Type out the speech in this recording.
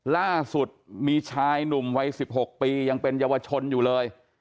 ล่าสุดมีชายหนุ่มวัย๑๖ปียังเป็นเยาวชนอยู่เลย